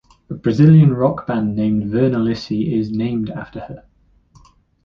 A Brazilian rock band named "Virna Lisi" is named after her.